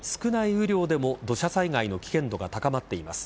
雨量でも土砂災害の危険度が高まっています。